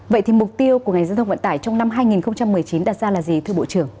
vậy thì mục tiêu của ngành giao thông vận tải trong năm hai nghìn một mươi chín đặt ra là gì thưa bộ trưởng